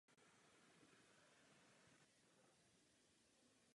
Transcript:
V devadesátých letech pracoval rovněž jako překladatel.